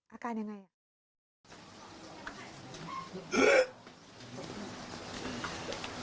อาการอย่างไร